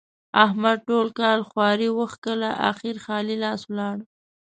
احمد ټول کال خواري وکښلې؛ اخېر خالي لاس ولاړ.